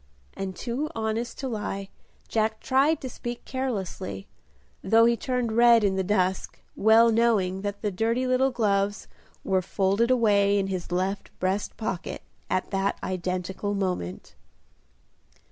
and too honest to lie, Jack tried to speak carelessly, though he turned red in the dusk, well knowing that the dirty little gloves were folded away in his left breast pocket at that identical moment.